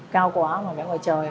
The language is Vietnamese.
cao quá mà vẽ ngoài trời